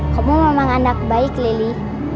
kamu memang anak baik lili